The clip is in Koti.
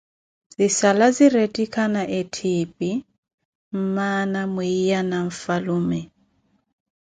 Zisala ziretikhana etthipi mmana mwiiya na nfhalume.